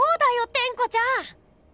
テンコちゃん！